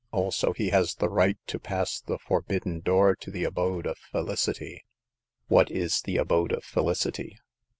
Also, he has the right to pass the forbidden door to the Abode of Felicity.'' " What is the Abode of Felicity?